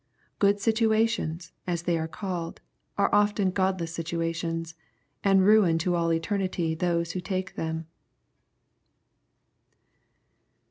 Good situations, as they are called, are often godless situa tions, and ruin to aU eternity those who take them.